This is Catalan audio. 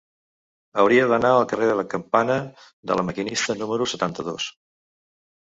Hauria d'anar al carrer de la Campana de La Maquinista número setanta-dos.